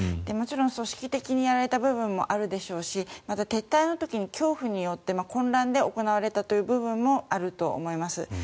もちろん組織的にやられた部分もあるでしょうしまた撤退の時に、恐怖によって混乱で行われたという部分もあると思います。